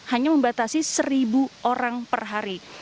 hanya membatasi seribu orang per hari